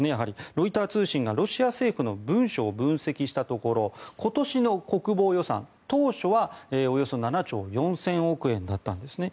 ロイター通信がロシア政府の文書を分析したところ今年の国防費予算当初はおよそ７兆４０００億円だったんですね。